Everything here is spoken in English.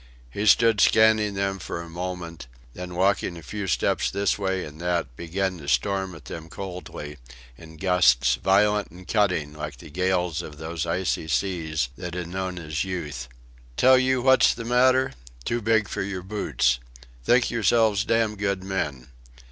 He stood scanning them for a moment, then walking a few steps this way and that began to storm at them coldly, in gusts violent and cutting like the gales of those icy seas that had known his youth. "Tell you what's the matter? Too big for your boots. Think yourselves damn good men.